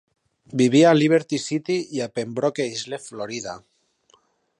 Vivia a Liberty City i a Pembroke Isle, Florida.